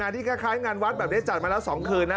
ที่คล้ายงานวัดจัดมาแล้ว๒คืน